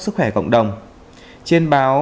sức khỏe cộng đồng trên báo